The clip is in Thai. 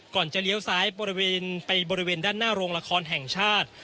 ก่อนจะเลี้ยวซ้ายไปบริเวณด้านหน้าโรงละครแห่งชาติ